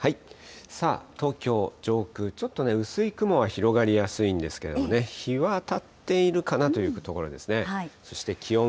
さあ、東京上空、ちょっとね、薄い雲が広がりやすいんですけれどもね、日は当たっているかなというところですね。